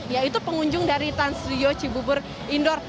yaitu pengunjung dari trans studio cibubur indoor